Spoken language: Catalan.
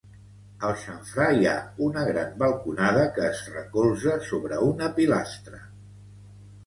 Al xamfrà hi ha una gran balconada que es recolza sobre una pilastra.